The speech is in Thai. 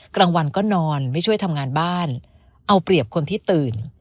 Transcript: กลางวันก็นอนไม่ช่วยทำงานบ้านเอาเปรียบคนที่ตื่น